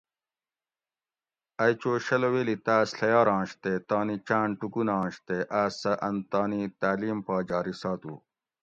ائی چو شلہ ویلی تاۤس ڷیارانش تے تانی چاۤن ٹُوکوناش تے آۤس سہ ان تانی تعلیم پا جاری ساتو